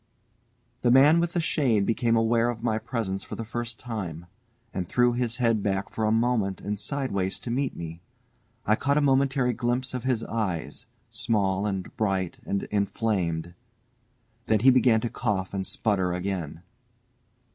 The man with the shade became aware of my presence for the first time, and threw his head back for a moment and sideways, to see me. I caught a momentary glimpse of his eyes, small and bright and inflamed. Then he began to cough and splutter again.